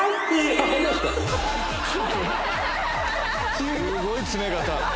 すごい詰め方。